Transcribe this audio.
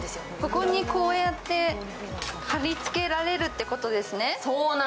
ここにこうやって貼り付けられるってことですね。